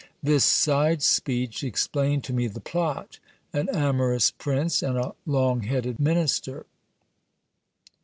This side speech explained to me the plot ; an amorous prince, and a long headed minister